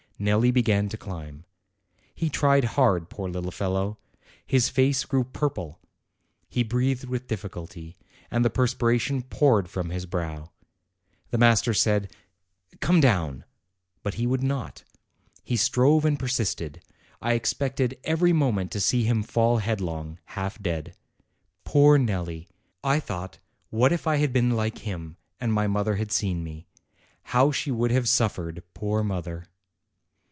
Nelli began to climb. He tried hard, poor little fellow ; his face grew purple, he breathed with difficulty, and the perspira tion poured from his brow. The master said, "Come down !" But he would not. He strove and persisted. I expected every moment to see him fall headlong, half dead. Poor Nelli! I thought, what if I had been like him, and my mother had seen me! How she would have suffered, poor mother!